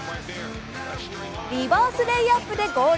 リバースレイアップでゴール。